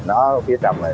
nó phía trong này